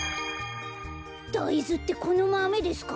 だいずってこのマメですか？